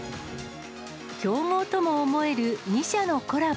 競合とも思える２社のコラボ。